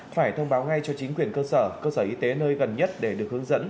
phải thông báo ngay cho chính quyền cơ sở cơ sở y tế nơi gần nhất để được hướng dẫn